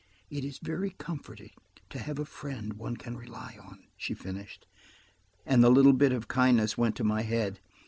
"It is very comforting to have a friend one can rely on," she finished, and the little bit of kindness went to my head.